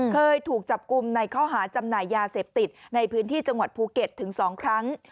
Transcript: เคยถูกจับกลุ่มในข้อหาจำหน่ายยาเสพติดในพื้นที่จังหวัดภูเก็ตถึง๒ครั้ง